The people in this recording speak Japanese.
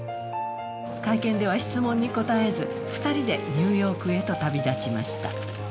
会見では質問に答えず、２人でニューヨークへと旅立ちました。